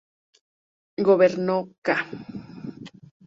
Gobernó ca.